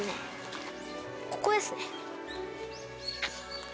ここですね。